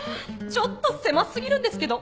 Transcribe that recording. ちょっと狭過ぎるんですけど。